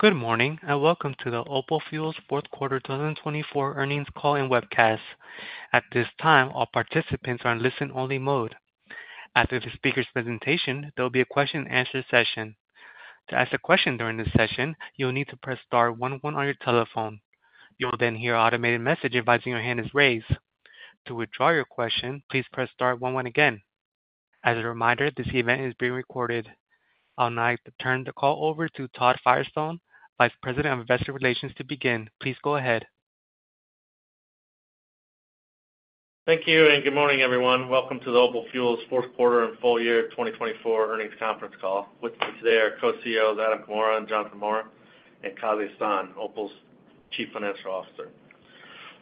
Good morning and welcome to the OPAL Fuels Fourth Quarter 2024 Earnings Call and Webcast. At this time, all participants are in listen-only mode. After the speakers' presentation, there will be a question-and-answer session. To ask a question during this session, you'll need to press Star 11 on your telephone. You will then hear an automated message advising your hand is raised. To withdraw your question, please press Star 11 again. As a reminder, this event is being recorded. I'll now turn the call over to Todd Firestone, Vice President of Investor Relations, to begin. Please go ahead. Thank you and good morning, everyone. Welcome to the OPAL Fuels fourth quarter and full year 2024 earnings conference call. With me today are Co-CEOs Adam Comora, Jonathan Maurer, and Kazi Hasan, OPAL's Chief Financial Officer.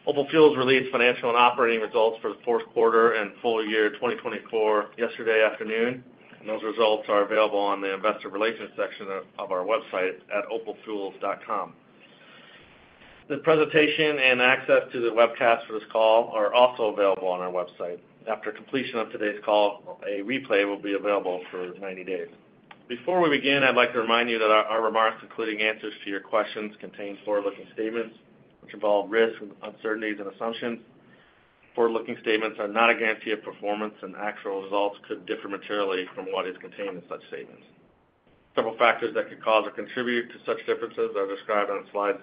OPAL Fuels released financial and operating results for the fourth quarter and full year 2024 yesterday afternoon, and those results are available on the Investor Relations section of our website at opalfuels.com. The presentation and access to the webcast for this call are also available on our website. After completion of today's call, a replay will be available for 90 days. Before we begin, I'd like to remind you that our remarks, including answers to your questions, contain forward-looking statements which involve risks, uncertainties, and assumptions. Forward-looking statements are not a guarantee of performance, and actual results could differ materially from what is contained in such statements. Several factors that could cause or contribute to such differences are described on slides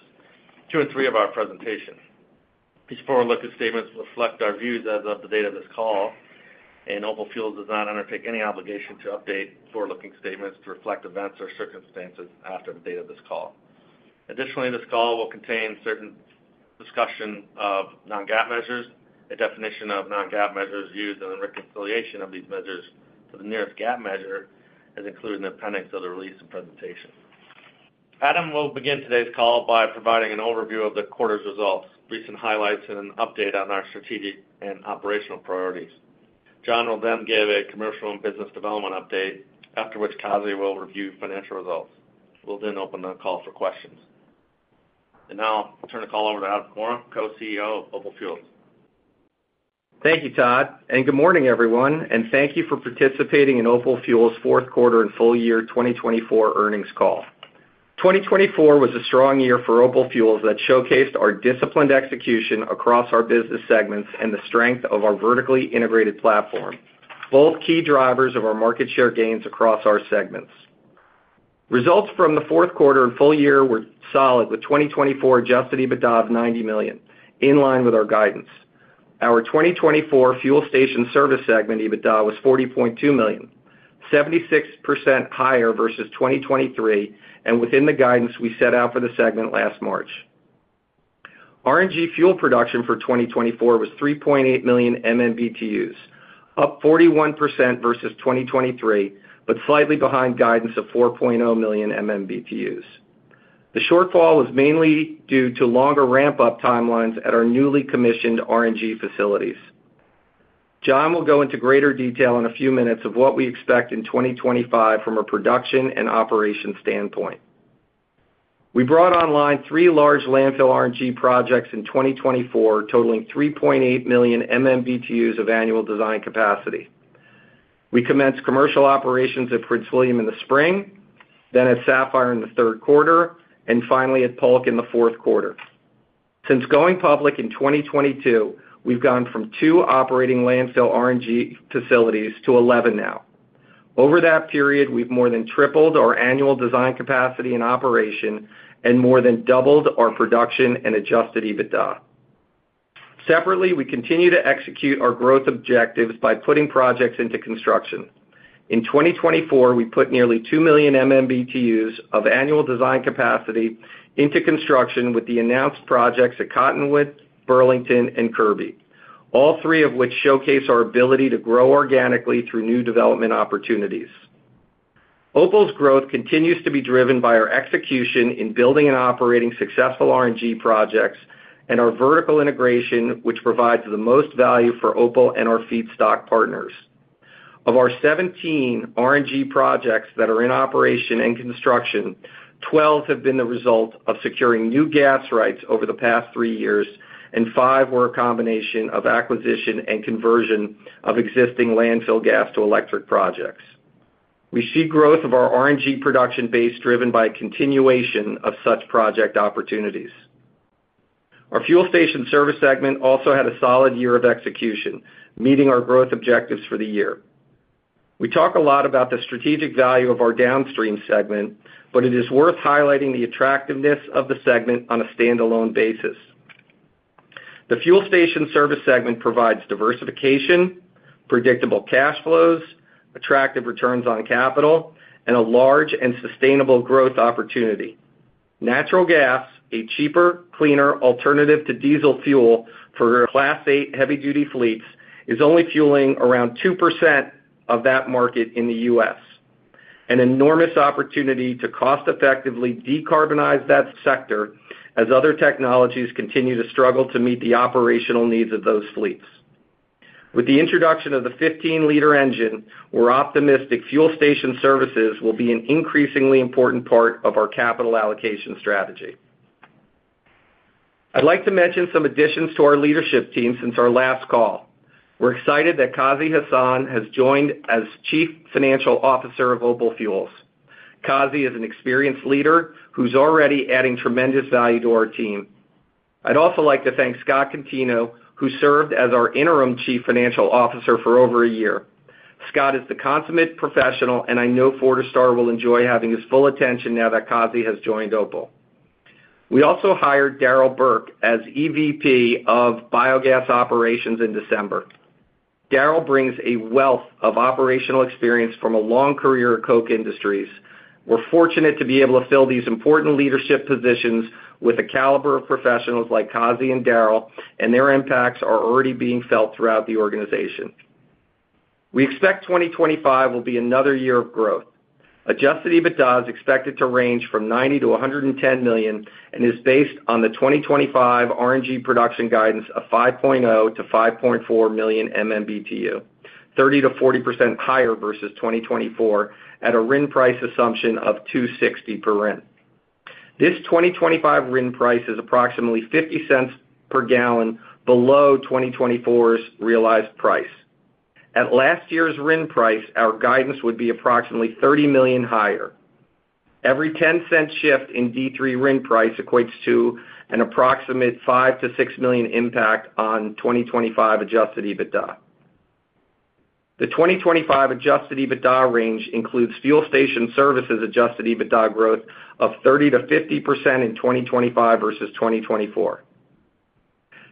2 and 3 of our presentation. These forward-looking statements reflect our views as of the date of this call, and OPAL Fuels does not undertake any obligation to update forward-looking statements to reflect events or circumstances after the date of this call. Additionally, this call will contain certain discussion of non-GAAP measures, a definition of non-GAAP measures used, and the reconciliation of these measures to the nearest GAAP measure, as included in the appendix of the release and presentation. Adam will begin today's call by providing an overview of the quarter's results, recent highlights, and an update on our strategic and operational priorities. Jon will then give a commercial and business development update, after which Kazi will review financial results. We'll then open the call for questions. I will turn the call over to Adam Comora, Co-CEO of OPAL Fuels. Thank you, Todd. Good morning, everyone. Thank you for participating in OPAL Fuels fourth quarter and full year 2024 earnings call. 2024 was a strong year for OPAL Fuels that showcased our disciplined execution across our business segments and the strength of our vertically integrated platform, both key drivers of our market share gains across our segments. Results from the fourth quarter and full year were solid, with 2024 adjusted EBITDA of $90 million, in line with our guidance. Our 2024 fuel station service segment EBITDA was $40.2 million, 76% higher versus 2023, and within the guidance we set out for the segment last March. RNG fuel production for 2024 was 3.8 million MMBtus, up 41% versus 2023, but slightly behind guidance of 4.0 million MMBtus. The shortfall was mainly due to longer ramp-up timelines at our newly commissioned RNG facilities. Jon will go into greater detail in a few minutes of what we expect in 2025 from a production and operations standpoint. We brought online three large landfill RNG projects in 2024, totaling 3.8 million MMBtus of annual design capacity. We commenced commercial operations at Prince William in the spring, then at Sapphire in the third quarter, and finally at Polk in the fourth quarter. Since going public in 2022, we've gone from two operating landfill RNG facilities to 11 now. Over that period, we've more than tripled our annual design capacity and operation and more than doubled our production and adjusted EBITDA. Separately, we continue to execute our growth objectives by putting projects into construction. In 2024, we put nearly 2 million MMBtu of annual design capacity into construction with the announced projects at Cottonwood, Burlington, and Kirby, all three of which showcase our ability to grow organically through new development opportunities. OPAL's growth continues to be driven by our execution in building and operating successful RNG projects and our vertical integration, which provides the most value for OPAL and our feedstock partners. Of our 17 RNG projects that are in operation and construction, 12 have been the result of securing new gas rights over the past three years, and five were a combination of acquisition and conversion of existing landfill gas-to-electric projects. We see growth of our RNG production base driven by a continuation of such project opportunities. Our fuel station service segment also had a solid year of execution, meeting our growth objectives for the year. We talk a lot about the strategic value of our downstream segment, but it is worth highlighting the attractiveness of the segment on a standalone basis. The fuel station service segment provides diversification, predictable cash flows, attractive returns on capital, and a large and sustainable growth opportunity. Natural gas, a cheaper, cleaner alternative to diesel fuel for Class 8 heavy-duty fleets, is only fueling around 2% of that market in the U.S. An enormous opportunity to cost-effectively decarbonize that sector as other technologies continue to struggle to meet the operational needs of those fleets. With the introduction of the 15-liter engine, we're optimistic fuel station services will be an increasingly important part of our capital allocation strategy. I'd like to mention some additions to our leadership team since our last call. We're excited that Kazi Hasan has joined as Chief Financial Officer of OPAL Fuels. Kazi is an experienced leader who's already adding tremendous value to our team. I'd also like to thank Scott Contino, who served as our interim Chief Financial Officer for over a year. Scott is the consummate professional, and I know Fortistar will enjoy having his full attention now that Kazi has joined OPAL. We also hired Darrell Birck as EVP of Biogas Operations in December. Darrell brings a wealth of operational experience from a long career at Koch Industries. We're fortunate to be able to fill these important leadership positions with a caliber of professionals like Kazi and Darrell, and their impacts are already being felt throughout the organization. We expect 2025 will be another year of growth. Adjusted EBITDA is expected to range from $90 million-$110 million and is based on the 2025 RNG production guidance of 5.0 million-5.4 million MMBtu, 30%-40% higher versus 2024 at a RIN price assumption of $2.60 per RIN. This 2025 RIN price is approximately $0.50 per gallon below 2024's realized price. At last year's RIN price, our guidance would be approximately $30 million higher. Every $0.10 shift in D3 RIN price equates to an approximate $5 million-$6 million impact on 2025 adjusted EBITDA. The 2025 adjusted EBITDA range includes fuel station services adjusted EBITDA growth of 30%-50% in 2025 versus 2024.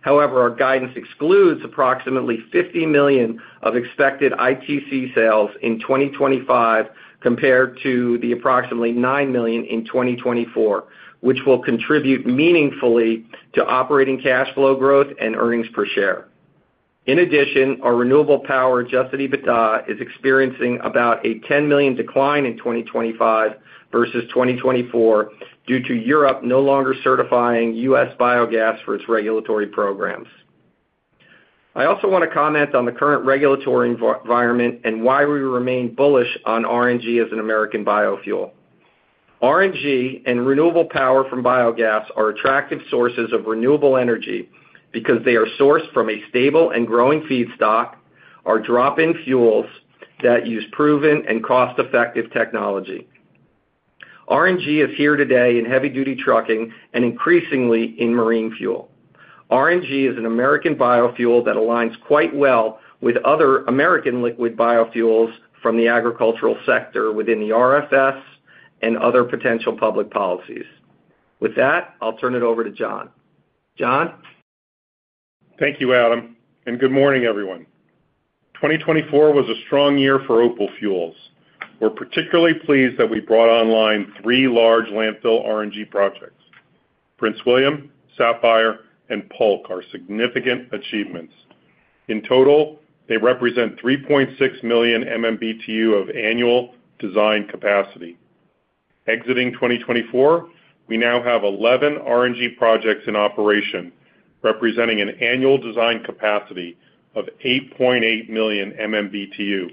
However, our guidance excludes approximately $50 million of expected ITC sales in 2025 compared to the approximately $9 million in 2024, which will contribute meaningfully to operating cash flow growth and earnings per share. In addition, our renewable power adjusted EBITDA is experiencing about a $10 million decline in 2025 versus 2024 due to Europe no longer certifying U.S. biogas for its regulatory programs. I also want to comment on the current regulatory environment and why we remain bullish on RNG as an American biofuel. RNG and renewable power from biogas are attractive sources of renewable energy because they are sourced from a stable and growing feedstock, are drop-in fuels that use proven and cost-effective technology. RNG is here today in heavy-duty trucking and increasingly in marine fuel. RNG is an American biofuel that aligns quite well with other American liquid biofuels from the agricultural sector within the RFS and other potential public policies. With that, I'll turn it over to Jon. Jon. Thank you, Adam. Good morning, everyone. 2024 was a strong year for OPAL Fuels. We're particularly pleased that we brought online three large landfill RNG projects: Prince William, Sapphire, and Polk are significant achievements. In total, they represent 3.6 million MMBtu of annual design capacity. Exiting 2024, we now have 11 RNG projects in operation, representing an annual design capacity of 8.8 million MMBtu,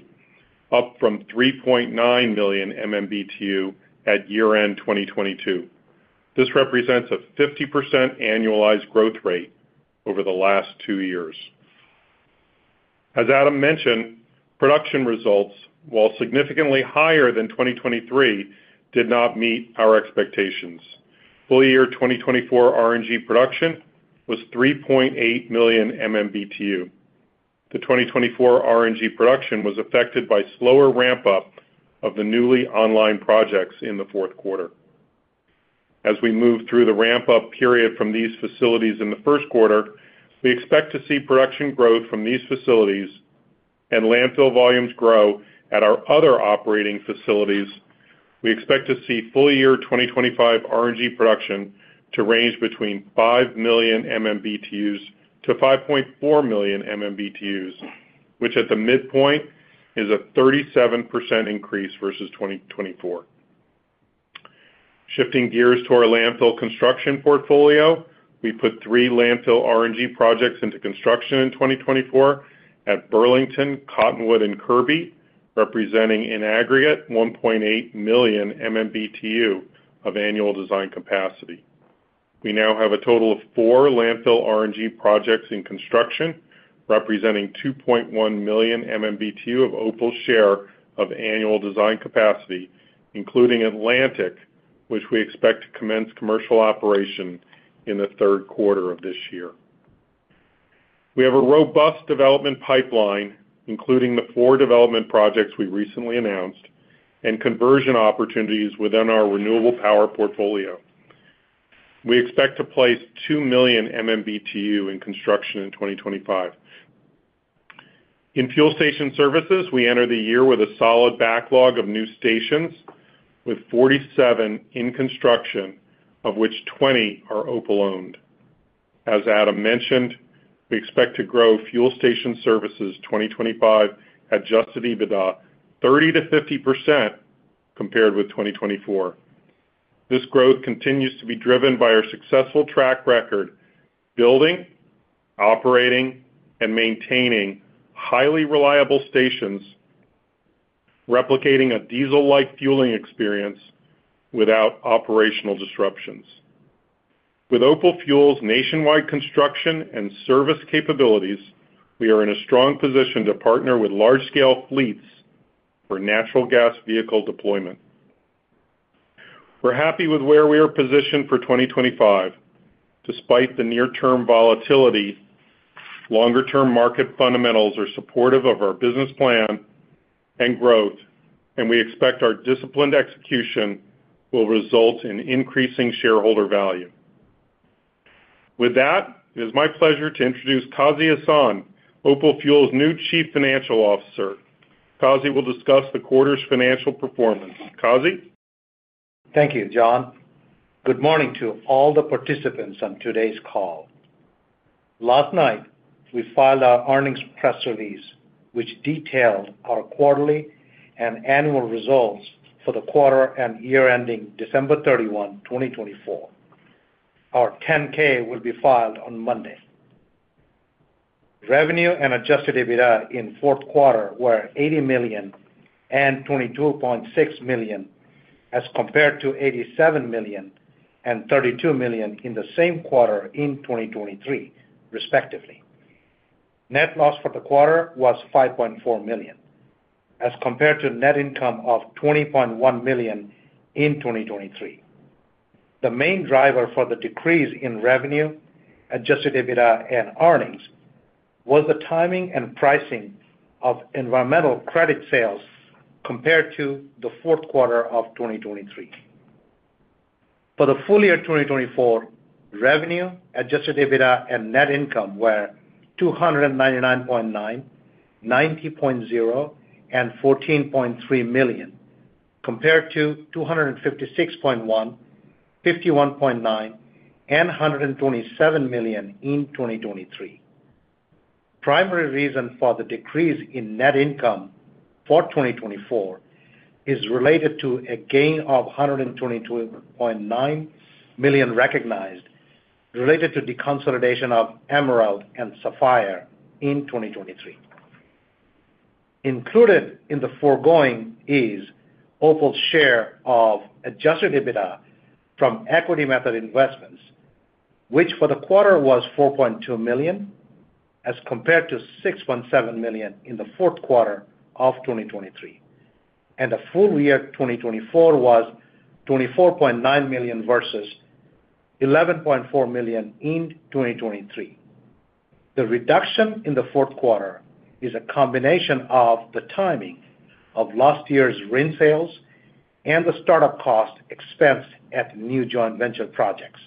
up from 3.9 million MMBtu at year-end 2022. This represents a 50% annualized growth rate over the last two years. As Adam mentioned, production results, while significantly higher than 2023, did not meet our expectations. Full year 2024 RNG production was 3.8 million MMBtu. The 2024 RNG production was affected by slower ramp-up of the newly online projects in the fourth quarter. As we move through the ramp-up period from these facilities in the first quarter, we expect to see production growth from these facilities and landfill volumes grow at our other operating facilities. We expect to see full year 2025 RNG production to range between 5 million MMBtus and 5.4 million MMBtus, which at the midpoint is a 37% increase versus 2024. Shifting gears to our landfill construction portfolio, we put three landfill RNG projects into construction in 2024 at Burlington, Cottonwood, and Kirby, representing an aggregate 1.8 million MMBtu of annual design capacity. We now have a total of four landfill RNG projects in construction, representing 2.1 million MMBtu of OPAL's share of annual design capacity, including Atlantic, which we expect to commence commercial operation in the third quarter of this year. We have a robust development pipeline, including the four development projects we recently announced and conversion opportunities within our renewable power portfolio. We expect to place 2 million MMBtu in construction in 2025. In fuel station services, we enter the year with a solid backlog of new stations, with 47 in construction, of which 20 are OPAL-owned. As Adam mentioned, we expect to grow fuel station services 2025 adjusted EBITDA 30%-50% compared with 2024. This growth continues to be driven by our successful track record building, operating, and maintaining highly reliable stations, replicating a diesel-like fueling experience without operational disruptions. With OPAL Fuels' nationwide construction and service capabilities, we are in a strong position to partner with large-scale fleets for natural gas vehicle deployment. We're happy with where we are positioned for 2025. Despite the near-term volatility, longer-term market fundamentals are supportive of our business plan and growth, and we expect our disciplined execution will result in increasing shareholder value. With that, it is my pleasure to introduce Kazi Hasan, OPAL Fuels' new Chief Financial Officer. Kazi will discuss the quarter's financial performance. Kazi? Thank you, Jon. Good morning to all the participants on today's call. Last night, we filed our earnings press release, which detailed our quarterly and annual results for the quarter and year ending December 31, 2024. Our 10-K will be filed on Monday. Revenue and adjusted EBITDA in fourth quarter were $80 million and $22.6 million as compared to $87 million and $32 million in the same quarter in 2023, respectively. Net loss for the quarter was $5.4 million as compared to net income of $20.1 million in 2023. The main driver for the decrease in revenue, adjusted EBITDA, and earnings was the timing and pricing of environmental credit sales compared to the fourth quarter of 2023. For the full year 2024, revenue, adjusted EBITDA, and net income were $299.9 million, $90.0 million, and $14.3 million compared to $256.1 million, $51.9 million, and $127 million in 2023. Primary reason for the decrease in net income for 2024 is related to a gain of $122.9 million recognized related to deconsolidation of Emerald and Sapphire in 2023. Included in the foregoing is OPAL's share of adjusted EBITDA from equity method investments, which for the quarter was $4.2 million as compared to $6.7 million in the fourth quarter of 2023. The full year 2024 was $24.9 million versus $11.4 million in 2023. The reduction in the fourth quarter is a combination of the timing of last year's RIN sales and the startup cost expensed at new joint venture projects.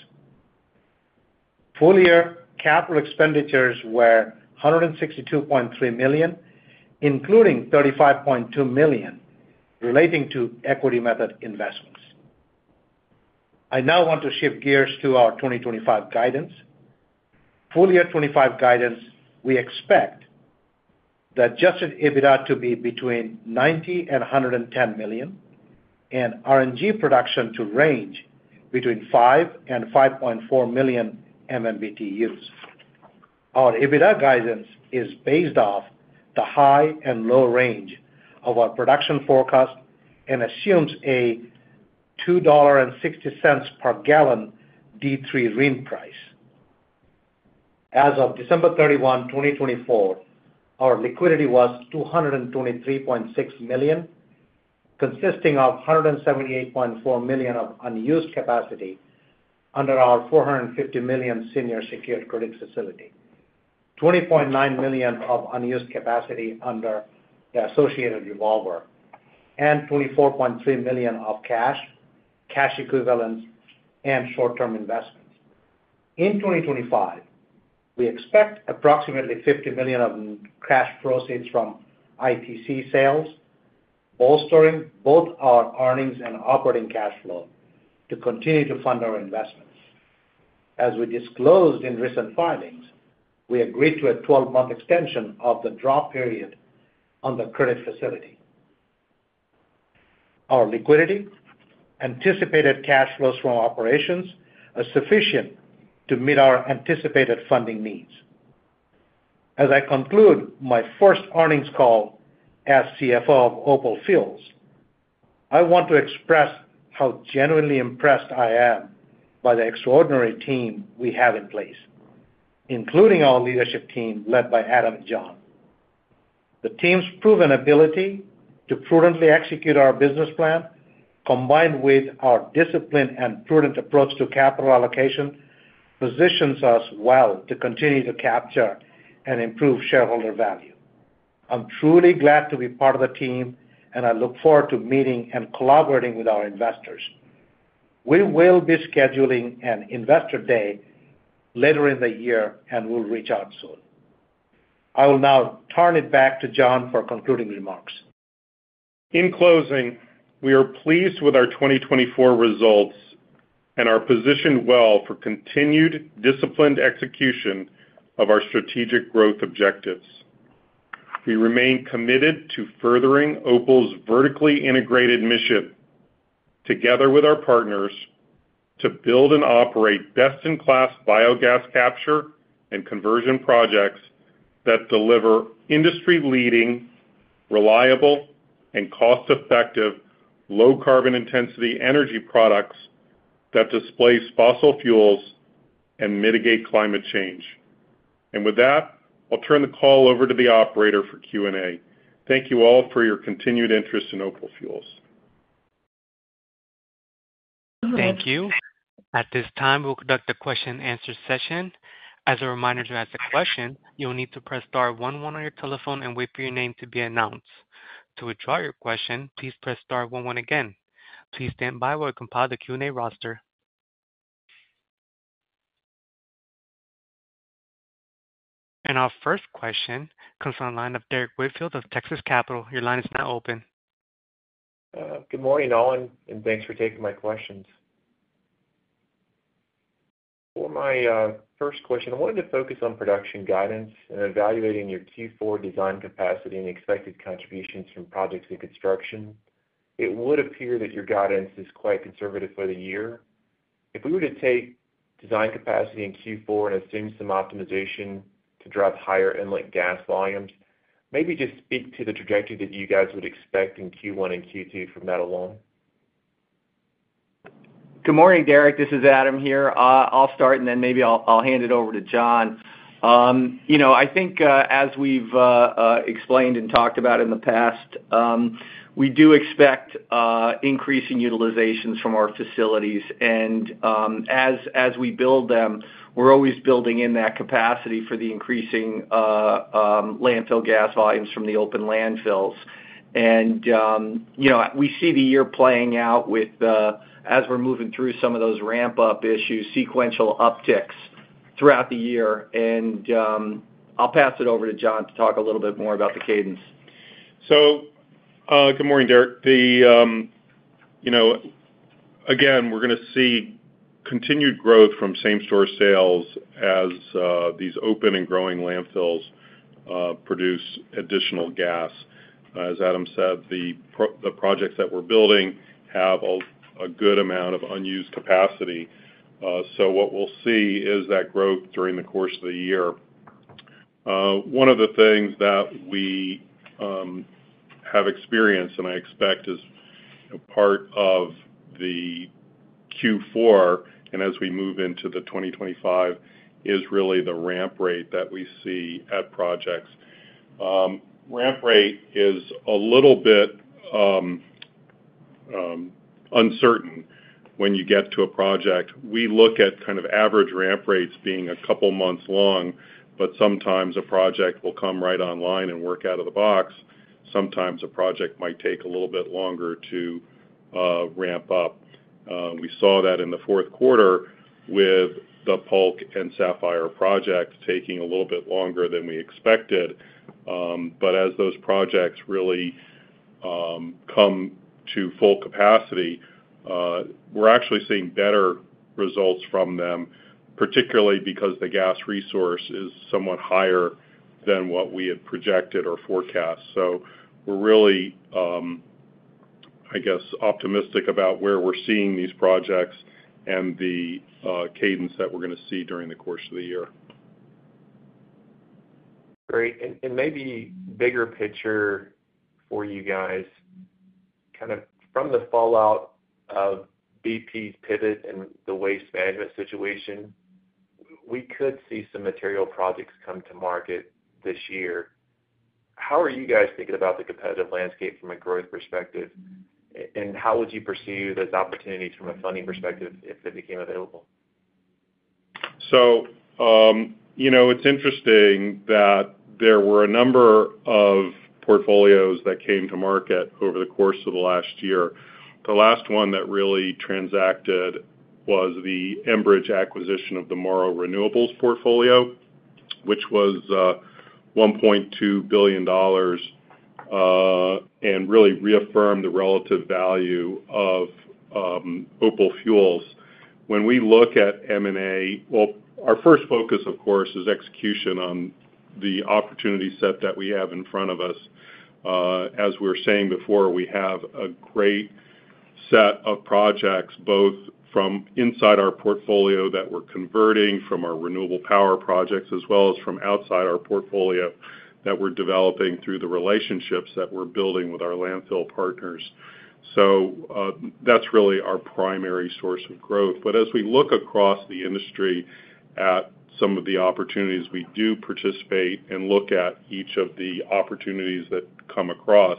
Full year capital expenditures were $162.3 million, including $35.2 million relating to equity method investments. I now want to shift gears to our 2025 guidance. Full year 2025 guidance, we expect the adjusted EBITDA to be between $90 million and $110 million and RNG production to range between 5 million and 5.4 million MMBtus. Our EBITDA guidance is based off the high and low range of our production forecast and assumes a $2.60 per gallon D3 RIN price. As of December 31, 2024, our liquidity was $223.6 million, consisting of $178.4 million of unused capacity under our $450 million senior secured credit facility, $20.9 million of unused capacity under the associated revolver, and $24.3 million of cash, cash equivalents, and short-term investments. In 2025, we expect approximately $50 million of cash proceeds from ITC sales, bolstering both our earnings and operating cash flow to continue to fund our investments. As we disclosed in recent filings, we agreed to a 12-month extension of the draw period on the credit facility. Our liquidity, anticipated cash flows from operations are sufficient to meet our anticipated funding needs. As I conclude my first earnings call as CFO of OPAL Fuels, I want to express how genuinely impressed I am by the extraordinary team we have in place, including our leadership team led by Adam and Jon. The team's proven ability to prudently execute our business plan, combined with our discipline and prudent approach to capital allocation, positions us well to continue to capture and improve shareholder value. I'm truly glad to be part of the team, and I look forward to meeting and collaborating with our investors. We will be scheduling an Investor Day later in the year, and we'll reach out soon. I will now turn it back to Jon for concluding remarks. In closing, we are pleased with our 2024 results and are positioned well for continued disciplined execution of our strategic growth objectives. We remain committed to furthering OPAL Fuels' vertically integrated mission together with our partners to build and operate best-in-class biogas capture and conversion projects that deliver industry-leading, reliable, and cost-effective low-carbon intensity energy products that displace fossil fuels and mitigate climate change. I will turn the call over to the operator for Q&A. Thank you all for your continued interest in OPAL Fuels. Thank you. At this time, we'll conduct a question-and-answer session. As a reminder, to ask a question, you'll need to press star 11 on your telephone and wait for your name to be announced. To withdraw your question, please press star 11 again. Please stand by while we compile the Q&A roster. Our first question comes from the line of Derrick Whitfield of Texas Capital. Your line is now open. Good morning, Adam, and thanks for taking my questions. For my first question, I wanted to focus on production guidance and evaluating your Q4 design capacity and expected contributions from projects in construction. It would appear that your guidance is quite conservative for the year. If we were to take design capacity in Q4 and assume some optimization to drive higher inlet gas volumes, maybe just speak to the trajectory that you guys would expect in Q1 and Q2 from that alone. Good morning, Derrick. This is Adam here. I'll start, and then maybe I'll hand it over to Jon. I think, as we've explained and talked about in the past, we do expect increasing utilizations from our facilities. As we build them, we're always building in that capacity for the increasing landfill gas volumes from the open landfills. We see the year playing out as we're moving through some of those ramp-up issues, sequential upticks throughout the year. I'll pass it over to Jon to talk a little bit more about the cadence. Good morning, Derek. Again, we're going to see continued growth from same-store sales as these open and growing landfills produce additional gas. As Adam said, the projects that we're building have a good amount of unused capacity. What we'll see is that growth during the course of the year. One of the things that we have experienced, and I expect is part of the Q4 and as we move into 2025, is really the ramp rate that we see at projects. Ramp rate is a little bit uncertain when you get to a project. We look at kind of average ramp rates being a couple of months long, but sometimes a project will come right online and work out of the box. Sometimes a project might take a little bit longer to ramp up. We saw that in the fourth quarter with the Polk and Sapphire project taking a little bit longer than we expected. As those projects really come to full capacity, we're actually seeing better results from them, particularly because the gas resource is somewhat higher than what we had projected or forecast. We're really, I guess, optimistic about where we're seeing these projects and the cadence that we're going to see during the course of the year. Great. Maybe bigger picture for you guys, kind of from the fallout of BP's pivot and the Waste Management situation, we could see some material projects come to market this year. How are you guys thinking about the competitive landscape from a growth perspective? How would you perceive those opportunities from a funding perspective if they became available? It's interesting that there were a number of portfolios that came to market over the course of the last year. The last one that really transacted was the Enbridge acquisition of the Morrow Renewables portfolio, which was $1.2 billion and really reaffirmed the relative value of OPAL Fuels. When we look at M&A, our first focus, of course, is execution on the opportunity set that we have in front of us. As we were saying before, we have a great set of projects, both from inside our portfolio that we're converting from our renewable power projects, as well as from outside our portfolio that we're developing through the relationships that we're building with our landfill partners. That's really our primary source of growth. As we look across the industry at some of the opportunities, we do participate and look at each of the opportunities that come across.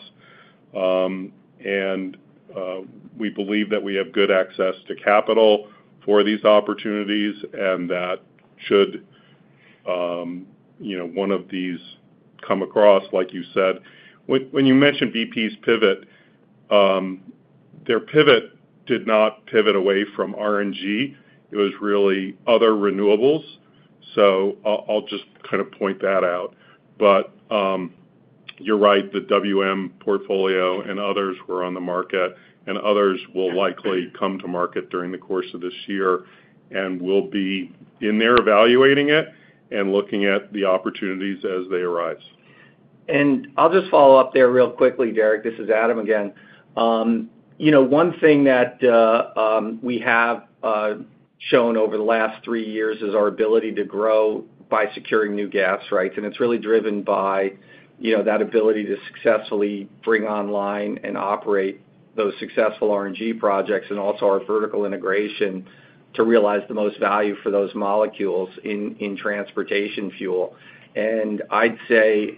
We believe that we have good access to capital for these opportunities and that should one of these come across, like you said. When you mentioned BP's pivot, their pivot did not pivot away from RNG. It was really other renewables. I will just kind of point that out. You are right, the Waste Management portfolio and others were on the market, and others will likely come to market during the course of this year and we will be in there evaluating it and looking at the opportunities as they arise. I'll just follow up there real quickly, Derrick. This is Adam again. One thing that we have shown over the last three years is our ability to grow by securing new gas rights. It's really driven by that ability to successfully bring online and operate those successful RNG projects and also our vertical integration to realize the most value for those molecules in transportation fuel. I'd say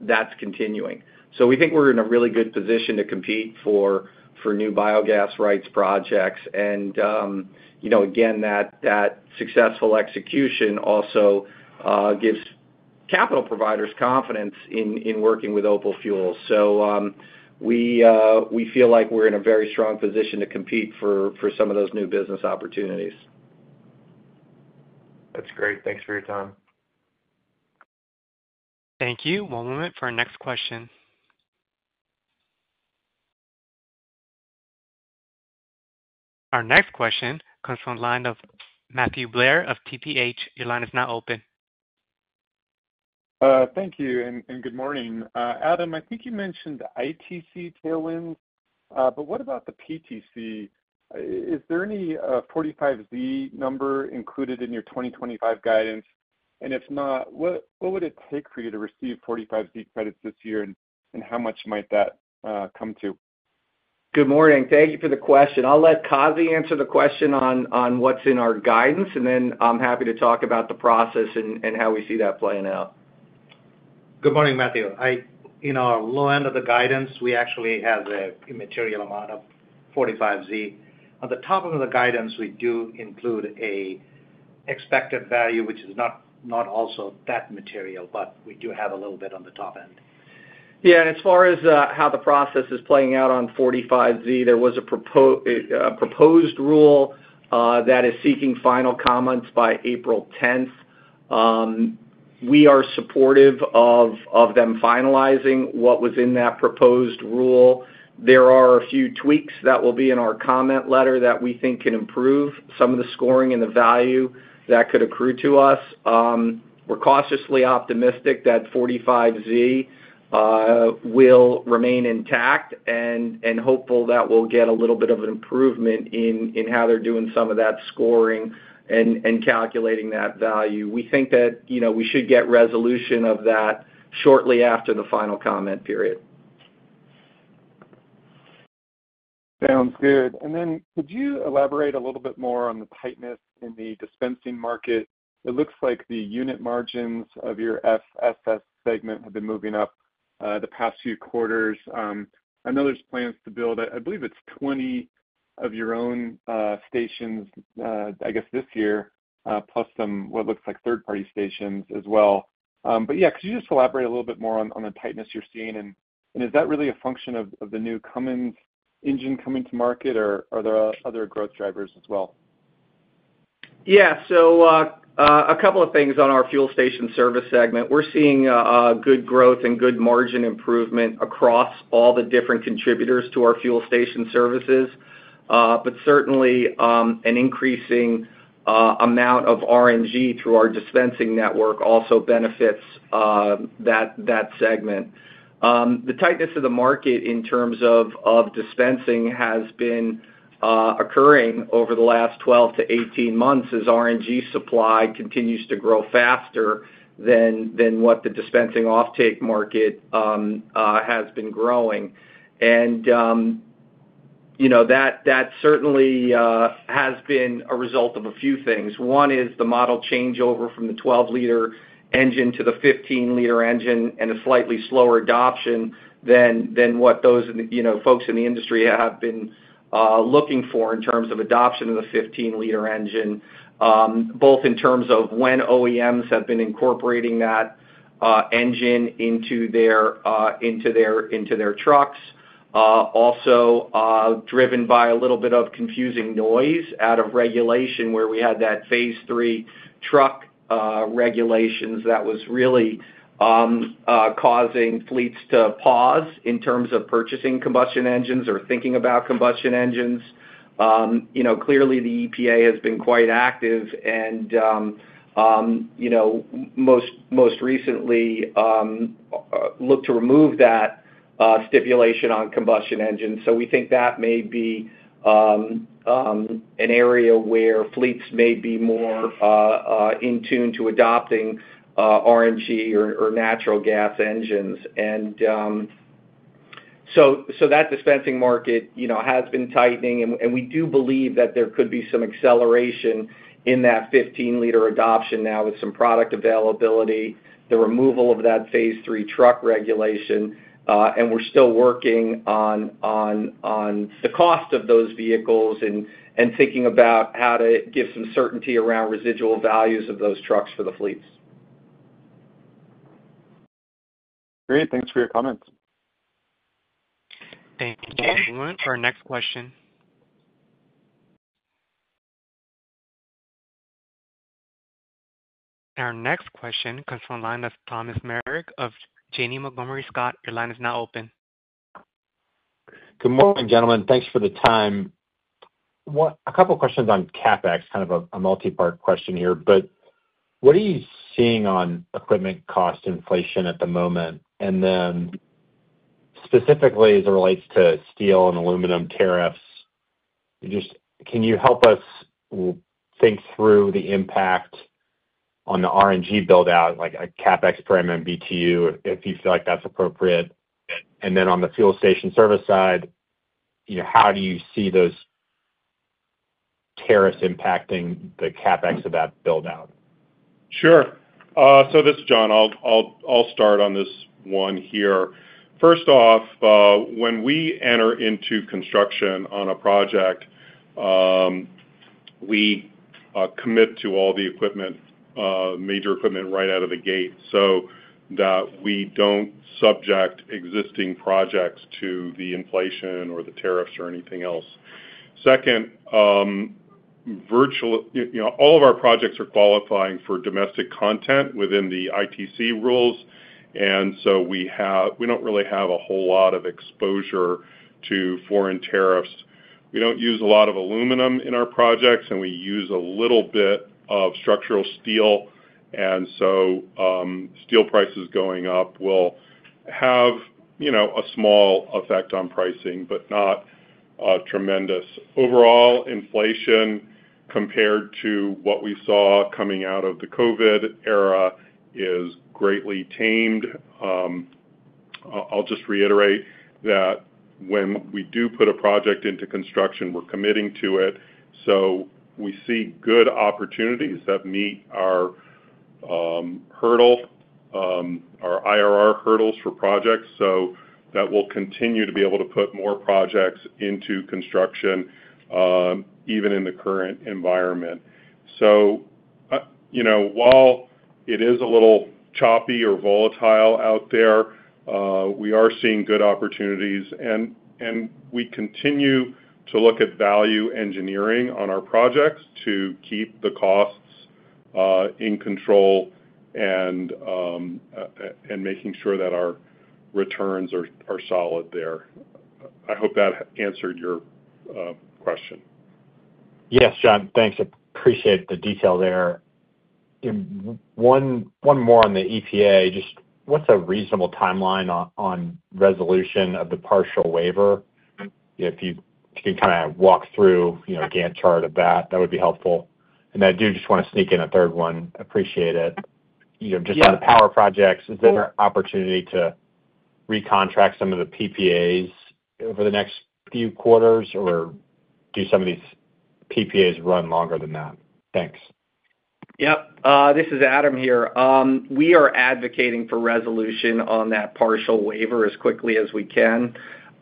that's continuing. We think we're in a really good position to compete for new biogas rights projects. That successful execution also gives capital providers confidence in working with OPAL Fuels. We feel like we're in a very strong position to compete for some of those new business opportunities. That's great. Thanks for your time. Thank you. One moment for our next question. Our next question comes from the line of Matthew Blair of TPH. Your line is now open. Thank you. Good morning. Adam, I think you mentioned ITC tailwinds, but what about the PTC? Is there any 45Z number included in your 2025 guidance? If not, what would it take for you to receive 45Z credits this year, and how much might that come to? Good morning. Thank you for the question. I'll let Kazi answer the question on what's in our guidance, and then I'm happy to talk about the process and how we see that playing out. Good morning, Matthew. In our low end of the guidance, we actually have a material amount of 45Z. On the top end of the guidance, we do include an expected value, which is not also that material, but we do have a little bit on the top end. Yeah. As far as how the process is playing out on 45Z, there was a proposed rule that is seeking final comments by April 10. We are supportive of them finalizing what was in that proposed rule. There are a few tweaks that will be in our comment letter that we think can improve some of the scoring and the value that could accrue to us. We're cautiously optimistic that 45Z will remain intact and hopeful that we'll get a little bit of an improvement in how they're doing some of that scoring and calculating that value. We think that we should get resolution of that shortly after the final comment period. Sounds good. Could you elaborate a little bit more on the tightness in the dispensing market? It looks like the unit margins of your FSS segment have been moving up the past few quarters. I know there's plans to build, I believe it's 20 of your own stations this year, plus some, what looks like third-party stations as well. Yeah, could you just elaborate a little bit more on the tightness you're seeing? Is that really a function of the new Cummins engine coming to market, or are there other growth drivers as well? Yeah. A couple of things on our fuel station service segment. We're seeing good growth and good margin improvement across all the different contributors to our fuel station services. Certainly, an increasing amount of RNG through our dispensing network also benefits that segment. The tightness of the market in terms of dispensing has been occurring over the last 12 to 18 months as RNG supply continues to grow faster than what the dispensing offtake market has been growing. That certainly has been a result of a few things. One is the model changeover from the 12-liter engine to the 15-liter engine and a slightly slower adoption than what those folks in the industry have been looking for in terms of adoption of the 15-liter engine, both in terms of when OEMs have been incorporating that engine into their trucks, also driven by a little bit of confusing noise out of regulation where we had that phase III truck regulations that was really causing fleets to pause in terms of purchasing combustion engines or thinking about combustion engines. Clearly, the EPA has been quite active and most recently looked to remove that stipulation on combustion engines. We think that may be an area where fleets may be more in tune to adopting RNG or natural gas engines. That dispensing market has been tightening, and we do believe that there could be some acceleration in that 15-liter adoption now with some product availability, the removal of that phase III truck regulation. We are still working on the cost of those vehicles and thinking about how to give some certainty around residual values of those trucks for the fleets. Great. Thanks for your comments. Thank you. One moment for our next question. Our next question comes from the line of Thomas Meric of Janney Montgomery Scott. Your line is now open. Good morning, gentlemen. Thanks for the time. A couple of questions on CapEx, kind of a multi-part question here, but what are you seeing on equipment cost inflation at the moment? Specifically as it relates to steel and aluminum tariffs, can you help us think through the impact on the RNG buildout, like a CapEx per MMBtu, if you feel like that's appropriate? On the fuel station service side, how do you see those tariffs impacting the CapEx of that buildout? Sure. This is Jon. I'll start on this one here. First off, when we enter into construction on a project, we commit to all the equipment, major equipment right out of the gate so that we do not subject existing projects to the inflation or the tariffs or anything else. Second, all of our projects are qualifying for domestic content within the ITC rules. We do not really have a whole lot of exposure to foreign tariffs. We do not use a lot of aluminum in our projects, and we use a little bit of structural steel. Steel prices going up will have a small effect on pricing, but not tremendous. Overall, inflation compared to what we saw coming out of the COVID era is greatly tamed. I'll just reiterate that when we do put a project into construction, we are committing to it. We see good opportunities that meet our hurdle, our IRR hurdles for projects, so that we'll continue to be able to put more projects into construction even in the current environment. While it is a little choppy or volatile out there, we are seeing good opportunities. We continue to look at value engineering on our projects to keep the costs in control and making sure that our returns are solid there. I hope that answered your question. Yes, Jon. Thanks. Appreciate the detail there. One more on the EPA, just what's a reasonable timeline on resolution of the partial waiver? If you can kind of walk through a Gantt chart of that, that would be helpful. I do just want to sneak in a third one. Appreciate it. Just on the power projects, is there an opportunity to recontract some of the PPAs over the next few quarters, or do some of these PPAs run longer than that? Thanks. Yep. This is Adam here. We are advocating for resolution on that partial waiver as quickly as we can.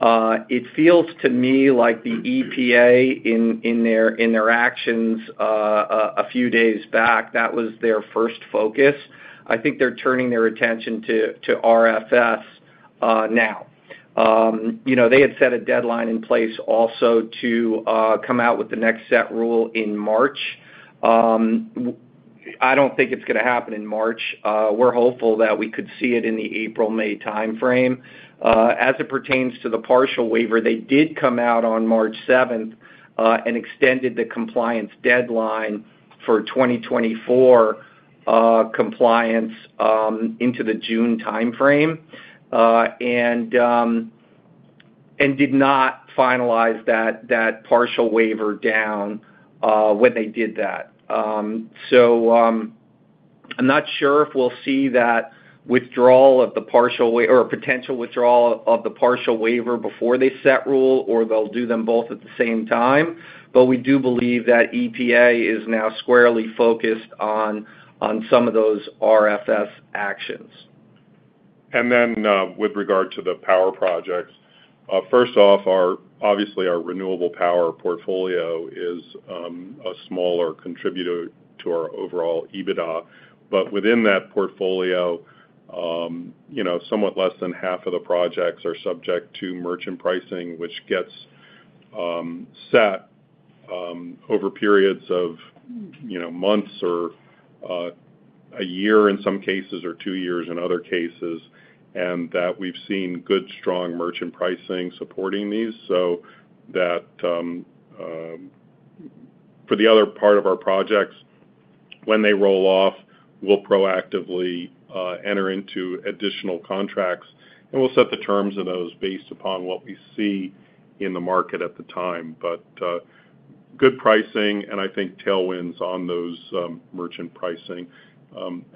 It feels to me like the EPA in their actions a few days back, that was their first focus. I think they're turning their attention to RFS now. They had set a deadline in place also to come out with the next Set Rule in March. I don't think it's going to happen in March. We're hopeful that we could see it in the April, May timeframe. As it pertains to the partial waiver, they did come out on March 7th and extended the compliance deadline for 2024 compliance into the June timeframe and did not finalize that partial waiver down when they did that. I'm not sure if we'll see that withdrawal of the partial or potential withdrawal of the partial waiver before they set rule, or they'll do them both at the same time. We do believe that EPA is now squarely focused on some of those RFS actions. With regard to the power projects, first off, obviously, our renewable power portfolio is a smaller contributor to our overall EBITDA. Within that portfolio, somewhat less than half of the projects are subject to merchant pricing, which gets set over periods of months or a year in some cases or two years in other cases. We have seen good, strong merchant pricing supporting these. For the other part of our projects, when they roll off, we will proactively enter into additional contracts, and we will set the terms of those based upon what we see in the market at the time. Good pricing, and I think tailwinds on those merchant pricing.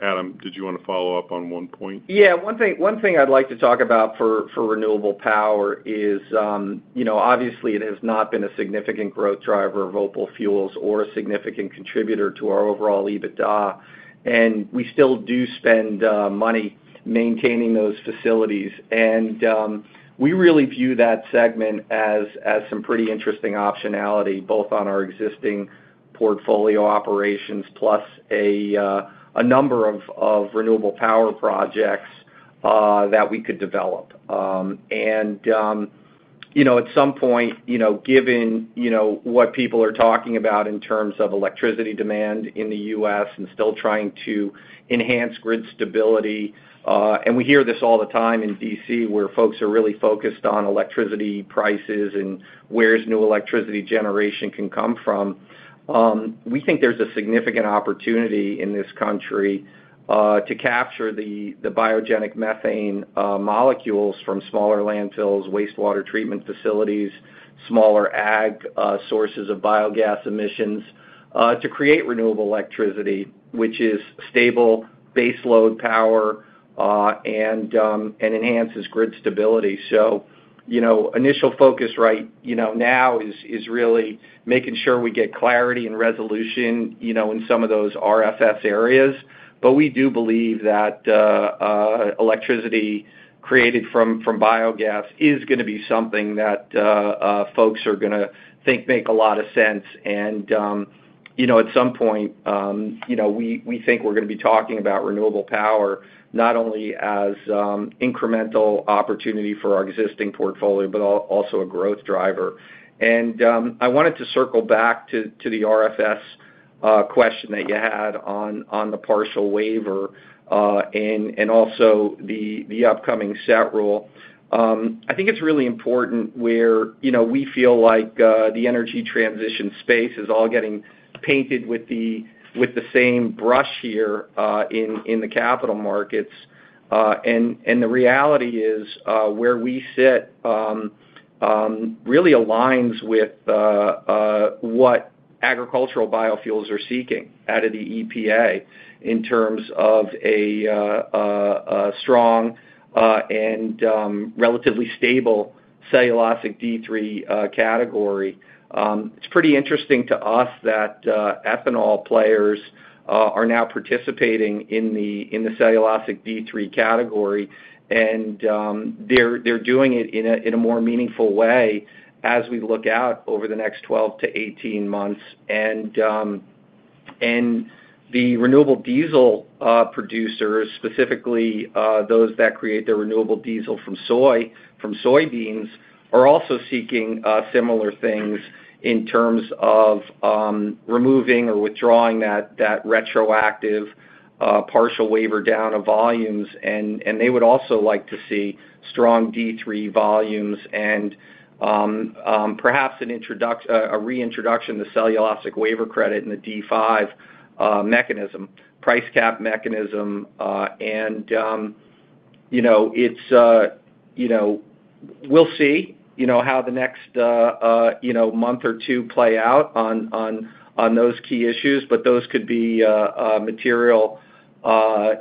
Adam, did you want to follow up on one point? Yeah. One thing I'd like to talk about for renewable power is, obviously, it has not been a significant growth driver of OPAL Fuels or a significant contributor to our overall EBITDA. We still do spend money maintaining those facilities. We really view that segment as some pretty interesting optionality, both on our existing portfolio operations plus a number of renewable power projects that we could develop. At some point, given what people are talking about in terms of electricity demand in the U.S. and still trying to enhance grid stability, and we hear this all the time in D.C. where folks are really focused on electricity prices and where new electricity generation can come from, we think there's a significant opportunity in this country to capture the biogenic methane molecules from smaller landfills, wastewater treatment facilities, smaller ag sources of biogas emissions to create renewable electricity, which is stable baseload power and enhances grid stability. Initial focus right now is really making sure we get clarity and resolution in some of those RFS areas. We do believe that electricity created from biogas is going to be something that folks are going to think makes a lot of sense. At some point, we think we're going to be talking about renewable power not only as incremental opportunity for our existing portfolio, but also a growth driver. I wanted to circle back to the RFS question that you had on the partial waiver and also the upcoming Set Rule. I think it's really important where we feel like the energy transition space is all getting painted with the same brush here in the capital markets. The reality is where we sit really aligns with what agricultural biofuels are seeking out of the EPA in terms of a strong and relatively stable cellulosic D3 category. It's pretty interesting to us that ethanol players are now participating in the cellulosic D3 category, and they're doing it in a more meaningful way as we look out over the next 12 to 18 months. The renewable diesel producers, specifically those that create their renewable diesel from soybeans, are also seeking similar things in terms of removing or withdrawing that retroactive partial waiver down of volumes. They would also like to see strong D3 volumes and perhaps a reintroduction of the cellulosic waiver credit and the D5 mechanism, price cap mechanism. It is we'll see how the next month or two play out on those key issues, but those could be material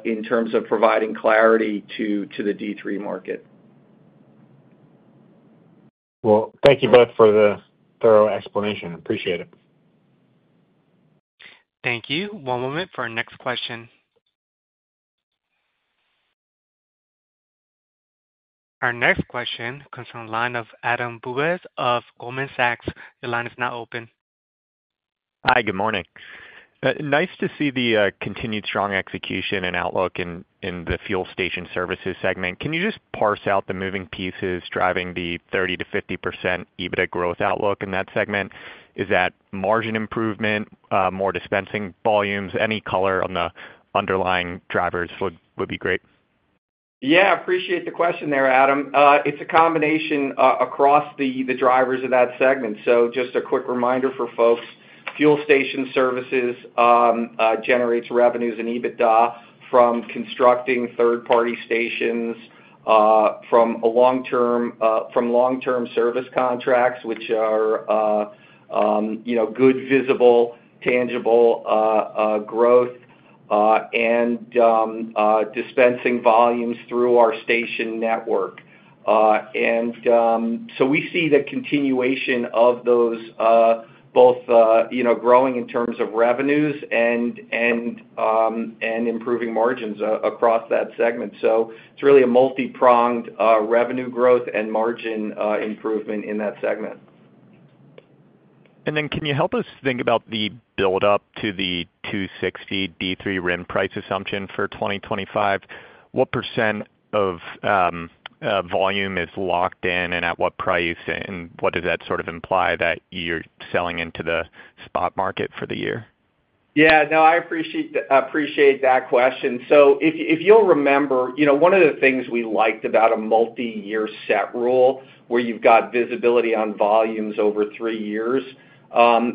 in terms of providing clarity to the D3 market. Thank you both for the thorough explanation. Appreciate it. Thank you. One moment for our next question. Our next question comes from the line of Adam Bubes of Goldman Sachs. Your line is now open. Hi, good morning. Nice to see the continued strong execution and outlook in the fuel station services segment. Can you just parse out the moving pieces driving the 30%-50% EBITDA growth outlook in that segment? Is that margin improvement, more dispensing volumes, any color on the underlying drivers would be great. Yeah. Appreciate the question there, Adam. It's a combination across the drivers of that segment. Just a quick reminder for folks, fuel station services generates revenues and EBITDA from constructing third-party stations, from long-term service contracts, which are good, visible, tangible growth, and dispensing volumes through our station network. We see the continuation of those both growing in terms of revenues and improving margins across that segment. It's really a multi-pronged revenue growth and margin improvement in that segment. Can you help us think about the buildup to the $2.60 D3 RIN price assumption for 2025? What % of volume is locked in, and at what price, and what does that sort of imply that you're selling into the spot market for the year? Yeah. No, I appreciate that question. If you'll remember, one of the things we liked about a multi-year Set Rule where you've got visibility on volumes over three years,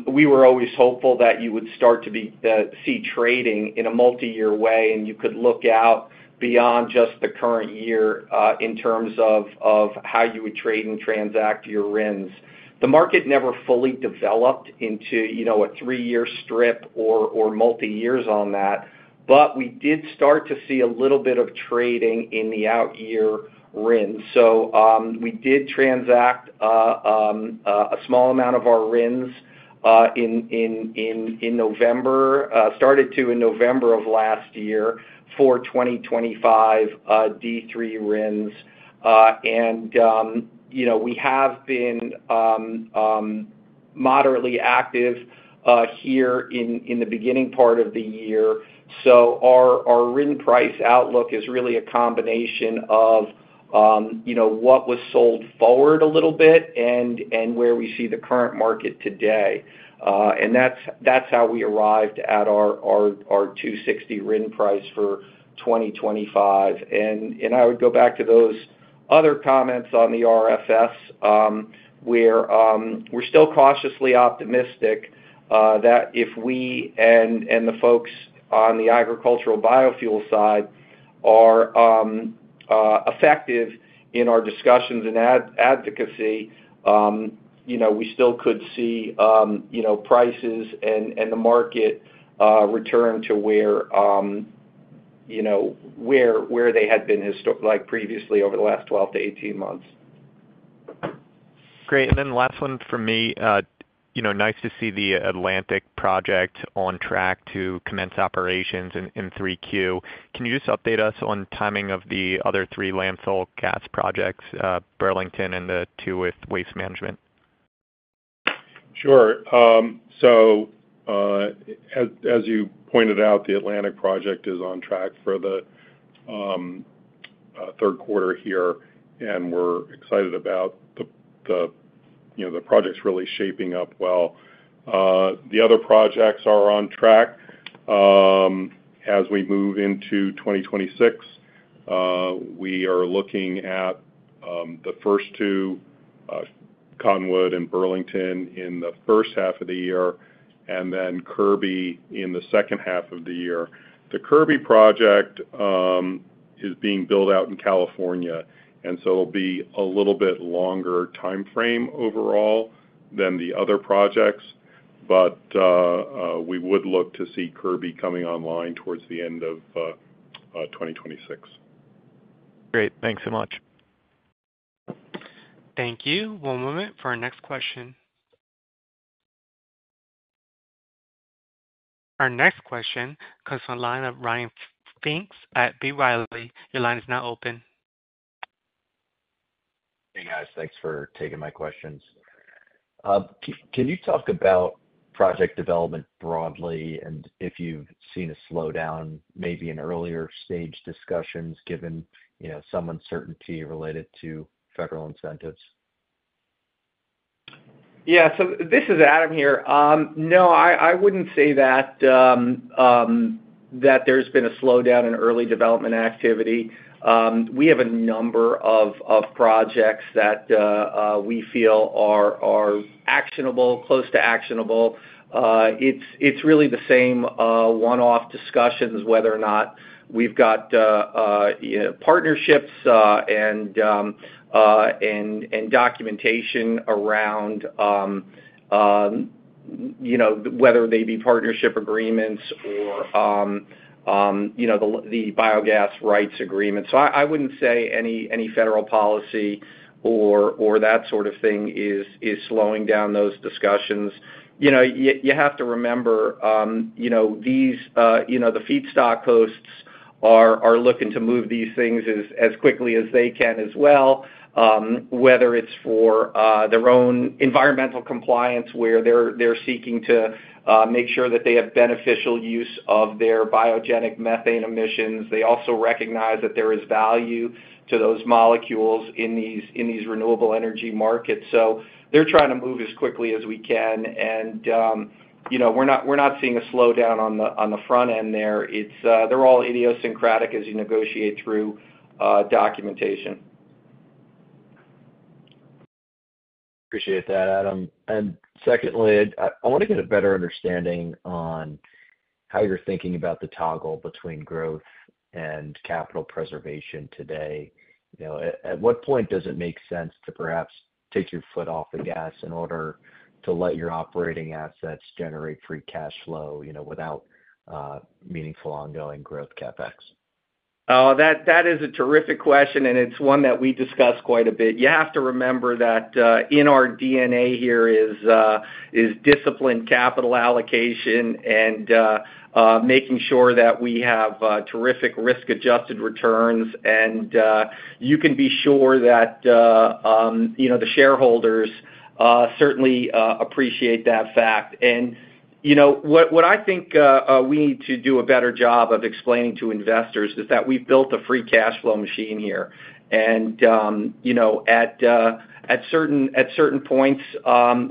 we were always hopeful that you would start to see trading in a multi-year way, and you could look out beyond just the current year in terms of how you would trade and transact your RINs. The market never fully developed into a three-year strip or multi-years on that, but we did start to see a little bit of trading in the out-year RINs. We did transact a small amount of our RINs in November, started to in November of last year for 2025 D3 RINs. We have been moderately active here in the beginning part of the year. Our RIN price outlook is really a combination of what was sold forward a little bit and where we see the current market today. That is how we arrived at our $2.60 RIN price for 2025. I would go back to those other comments on the RFS where we are still cautiously optimistic that if we and the folks on the agricultural biofuel side are effective in our discussions and advocacy, we still could see prices and the market return to where they had been previously over the last 12 to 18 months. Great. Last one for me, nice to see the Atlantic project on track to commence operations in 3Q. Can you just update us on timing of the other three landfill gas projects, Burlington and the two with Waste Management? Sure. As you pointed out, the Atlantic project is on track for the third quarter here, and we're excited about the projects really shaping up well. The other projects are on track as we move into 2026. We are looking at the first two, Cottonwood and Burlington, in the first half of the year, and then Kirby in the second half of the year. The Kirby project is being built out in California, and so it'll be a little bit longer timeframe overall than the other projects. We would look to see Kirby coming online towards the end of 2026. Great. Thanks so much. Thank you. One moment for our next question. Our next question comes from the line of Ryan Pfingst at B. Riley. Your line is now open. Hey, guys. Thanks for taking my questions. Can you talk about project development broadly and if you've seen a slowdown, maybe in earlier stage discussions given some uncertainty related to federal incentives? Yeah. This is Adam here. No, I wouldn't say that there's been a slowdown in early development activity. We have a number of projects that we feel are actionable, close to actionable. It's really the same one-off discussions whether or not we've got partnerships and documentation around whether they be partnership agreements or the biogas rights agreement. I wouldn't say any federal policy or that sort of thing is slowing down those discussions. You have to remember the feedstock hosts are looking to move these things as quickly as they can as well, whether it's for their own environmental compliance where they're seeking to make sure that they have beneficial use of their biogenic methane emissions. They also recognize that there is value to those molecules in these renewable energy markets. They're trying to move as quickly as we can. We're not seeing a slowdown on the front end there. They're all idiosyncratic as you negotiate through documentation. Appreciate that, Adam. Secondly, I want to get a better understanding on how you're thinking about the toggle between growth and capital preservation today. At what point does it make sense to perhaps take your foot off the gas in order to let your operating assets generate free cash flow without meaningful ongoing growth CapEx? Oh, that is a terrific question, and it's one that we discuss quite a bit. You have to remember that in our DNA here is disciplined capital allocation and making sure that we have terrific risk-adjusted returns. You can be sure that the shareholders certainly appreciate that fact. What I think we need to do a better job of explaining to investors is that we've built a free cash flow machine here. At certain points,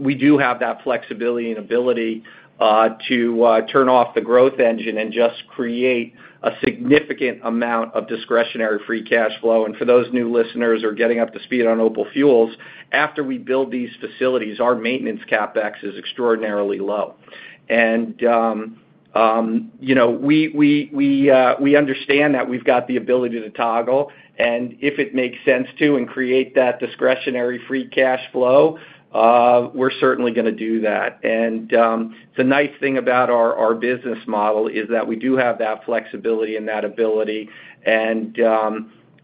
we do have that flexibility and ability to turn off the growth engine and just create a significant amount of discretionary free cash flow. For those new listeners or getting up to speed on OPAL Fuels, after we build these facilities, our maintenance CapEx is extraordinarily low. We understand that we've got the ability to toggle. If it makes sense to and create that discretionary free cash flow, we're certainly going to do that. The nice thing about our business model is that we do have that flexibility and that ability.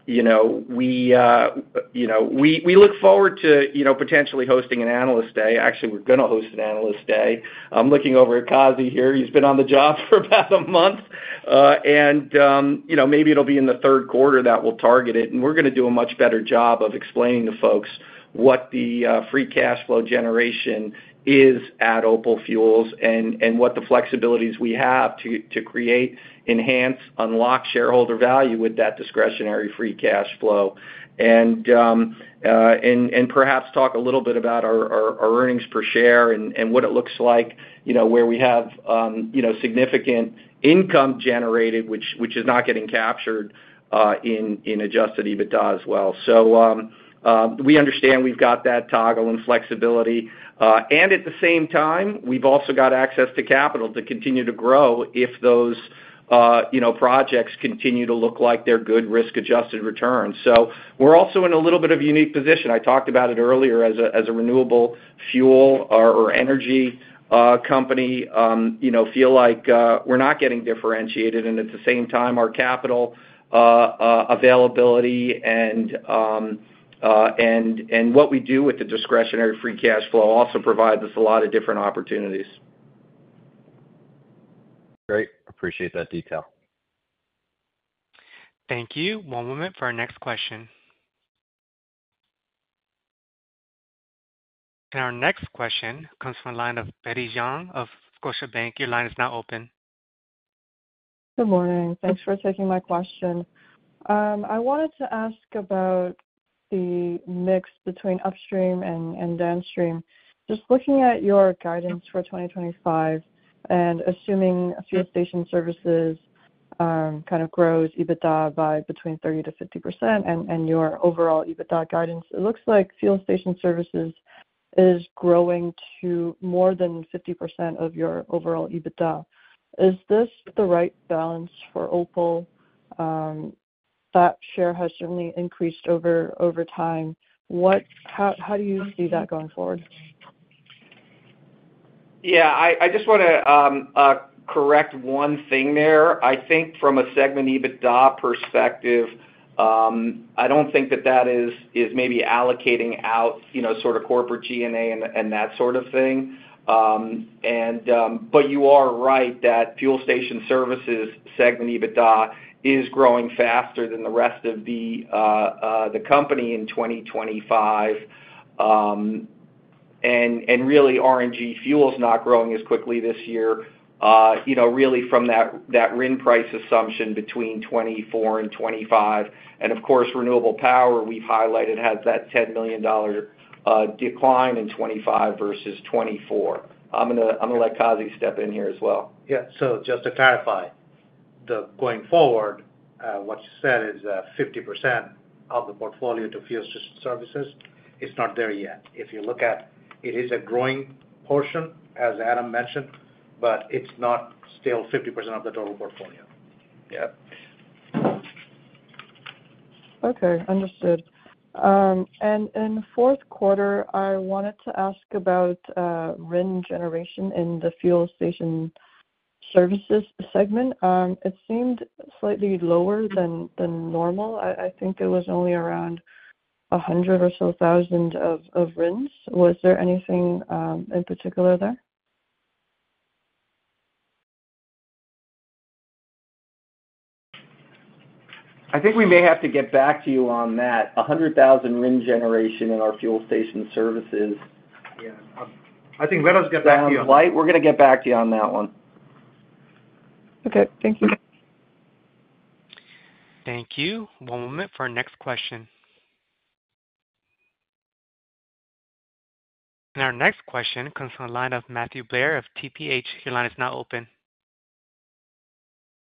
We look forward to potentially hosting an analyst day. Actually, we're going to host an analyst day. I'm looking over at Kazi here. He's been on the job for about a month. Maybe it'll be in the third quarter that we'll target it. We're going to do a much better job of explaining to folks what the free cash flow generation is at OPAL Fuels and what the flexibilities we have to create, enhance, unlock shareholder value with that discretionary free cash flow. Perhaps talk a little bit about our earnings per share and what it looks like where we have significant income generated, which is not getting captured in adjusted EBITDA as well. We understand we've got that toggle and flexibility. At the same time, we've also got access to capital to continue to grow if those projects continue to look like they're good risk-adjusted returns. We're also in a little bit of a unique position. I talked about it earlier as a renewable fuel or energy company. Feel like we're not getting differentiated. At the same time, our capital availability and what we do with the discretionary free cash flow also provides us a lot of different opportunities. Great. Appreciate that detail. Thank you. One moment for our next question. Our next question comes from the line of Betty Zhang of Scotiabank. Your line is now open. Good morning. Thanks for taking my question. I wanted to ask about the mix between upstream and downstream. Just looking at your guidance for 2025 and assuming fuel station services kind of grows EBITDA by between 30%-50% and your overall EBITDA guidance, it looks like fuel station services is growing to more than 50% of your overall EBITDA. Is this the right balance for OPAL Fuels? That share has certainly increased over time. How do you see that going forward? Yeah. I just want to correct one thing there. I think from a segment EBITDA perspective, I don't think that that is maybe allocating out sort of corporate G&A and that sort of thing. You are right that fuel station services segment EBITDA is growing faster than the rest of the company in 2025. Really, RNG Fuels not growing as quickly this year, really from that RIN price assumption between 2024 and 2025. Of course, renewable power we've highlighted has that $10 million decline in 2025 versus 2024. I'm going to let Kazi step in here as well. Yeah. Just to clarify, going forward, what you said is 50% of the portfolio to fuel station services. It's not there yet. If you look at it, it is a growing portion, as Adam mentioned, but it's not still 50% of the total portfolio. Yep. Okay. Understood. In the fourth quarter, I wanted to ask about RIN generation in the fuel station services segment. It seemed slightly lower than normal. I think it was only around hundred or so thousand of RINs. Was there anything in particular there? I think we may have to get back to you on that, 100,000 RIN generation in our fuel station services. Yeah. I think let us get back to you on that. Sounds like we're going to get back to you on that one. Okay. Thank you. Thank you. One moment for our next question. Our next question comes from the line of Matthew Blair of TPH. Your line is now open.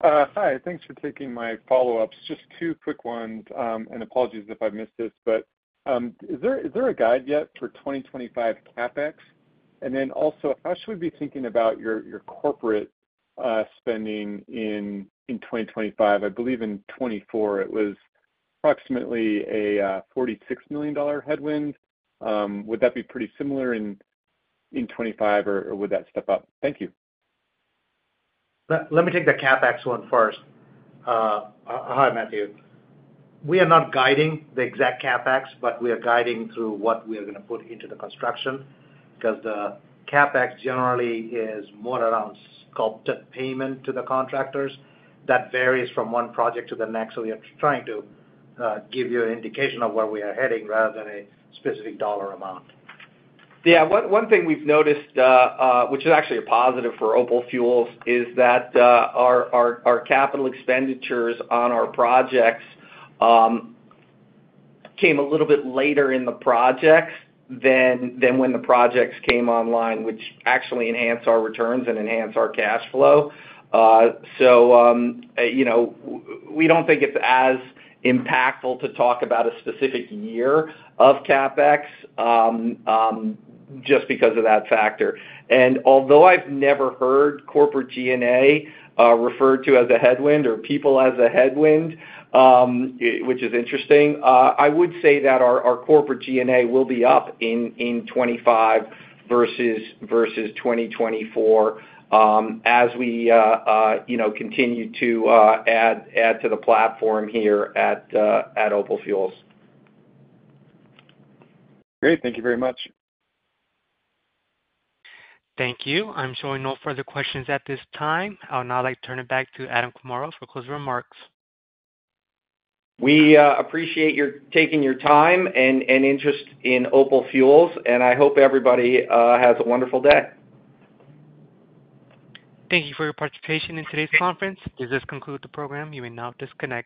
Hi. Thanks for taking my follow-ups. Just two quick ones. Apologies if I missed this, but is there a guide yet for 2025 CapEx? Also, how should we be thinking about your corporate spending in 2025? I believe in 2024, it was approximately a $46 million headwind. Would that be pretty similar in 2025, or would that step up? Thank you. Let me take the CapEx one first. Hi, Matthew. We are not guiding the exact CapEx, but we are guiding through what we are going to put into the construction because the CapEx generally is more around sculpted payment to the contractors. That varies from one project to the next. We are trying to give you an indication of where we are heading rather than a specific dollar amount. Yeah. One thing we've noticed, which is actually a positive for OPAL Fuels, is that our capital expenditures on our projects came a little bit later in the projects than when the projects came online, which actually enhanced our returns and enhanced our cash flow. We do not think it is as impactful to talk about a specific year of CapEx just because of that factor. Although I have never heard corporate G&A referred to as a headwind or people as a headwind, which is interesting, I would say that our corporate G&A will be up in 2025 versus 2024 as we continue to add to the platform here at OPAL Fuels. Great. Thank you very much. Thank you. I'm showing no further questions at this time. I'll now like to turn it back to Adam Comora for closing remarks. We appreciate your taking your time and interest in OPAL Fuels, and I hope everybody has a wonderful day. Thank you for your participation in today's conference. As this concludes the program, you may now disconnect.